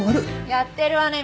やってるわね